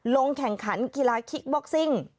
ลงแข่งขันกีฬาคิกบ็อกซิ่ง